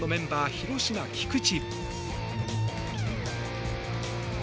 広島、菊池。